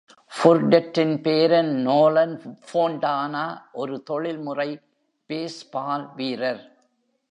புர்டெட்டின் பேரன் Nolan Fontana ஒரு தொழில்முறை பேஸ்பால் வீரர்.